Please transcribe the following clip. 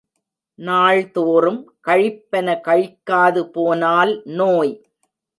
நாள்தோறும் கழிப்பன கழிக்காது போனால் நோய்.